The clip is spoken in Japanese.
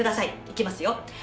いきますよ。